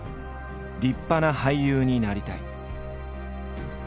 「りっぱな俳優になりたい」。